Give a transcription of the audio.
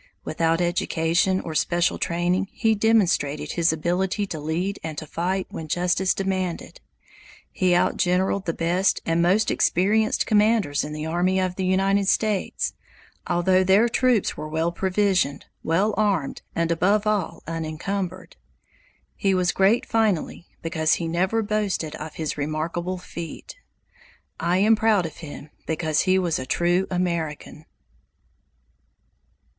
Without education or special training he demonstrated his ability to lead and to fight when justice demanded. He outgeneraled the best and most experienced commanders in the army of the United States, although their troops were well provisioned, well armed, and above all unencumbered. He was great finally, because he never boasted of his remarkable feat. I am proud of him, because he was a true American.